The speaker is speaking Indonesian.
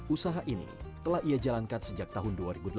usaha ini telah ia jalankan sejak tahun dua ribu dua